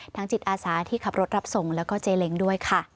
จิตอาสาที่ขับรถรับส่งแล้วก็เจเล้งด้วยค่ะ